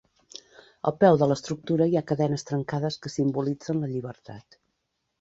Al peu de l'estructura hi ha cadenes trencades que simbolitzen la llibertat.